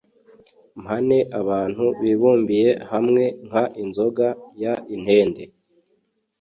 mpane abantu bibumbiye hamwe nk inzoga y itende